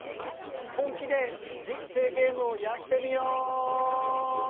本気で人生ゲームをやってみよう！